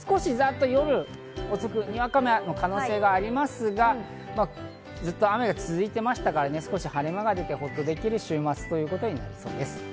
夜には雨の可能性がありますが、ずっと雨が続いていましたから少し晴れ間が出て、ホッとできる週末となりそうです。